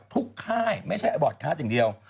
ค่ายไม่ใช่บอร์ดคาร์ดอย่างเดียว